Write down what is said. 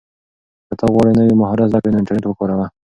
که ته غواړې نوی مهارت زده کړې نو انټرنیټ وکاروه.